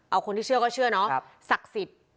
เอาคนที่เชื่อก็เชื่อเนาะศักดิ์สิทธิ์